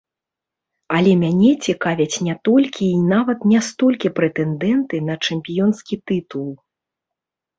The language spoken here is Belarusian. Але мяне цікавяць не толькі і нават не столькі прэтэндэнты на чэмпіёнскі тытул.